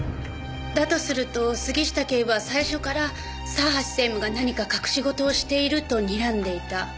だとすると杉下警部は最初から佐橋専務が何か隠し事をしているとにらんでいた。